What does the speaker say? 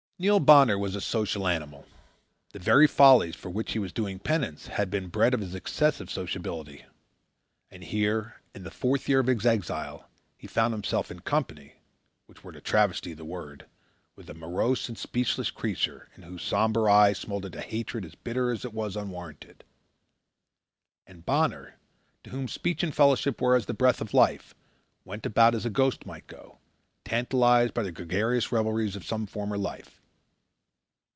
Neil Bonner was a social animal. The very follies for which he was doing penance had been bred of his excessive sociability. And here, in the fourth year of his exile, he found himself in company which were to travesty the word with a morose and speechless creature in whose sombre eyes smouldered a hatred as bitter as it was unwarranted. And Bonner, to whom speech and fellowship were as the breath of life, went about as a ghost might go, tantalized by the gregarious revelries of some former life.